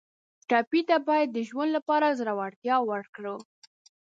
ټپي ته باید د ژوند لپاره زړورتیا ورکړو.